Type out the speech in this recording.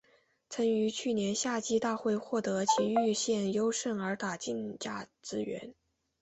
曾于去年夏季大会获得崎玉县优胜而打进甲子园。